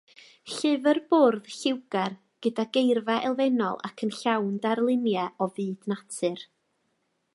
Llyfr bwrdd lliwgar gyda geirfa elfennol ac yn llawn darluniau o fyd natur.